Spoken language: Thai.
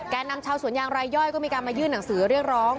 นำชาวสวนยางรายย่อยก็มีการมายื่นหนังสือเรียกร้อง